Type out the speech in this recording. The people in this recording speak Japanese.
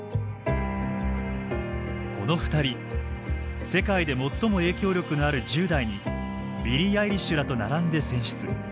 この２人世界で最も影響力のある１０代にビリー・アイリッシュらと並んで選出。